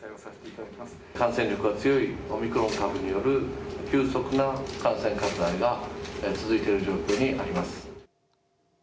感染力が強いオミクロン株による急速な感染拡大が続いている状況にあります。